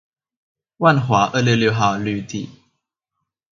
萬華二六六號綠地